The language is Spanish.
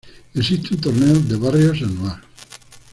Existe un Torneo de Barrios anual.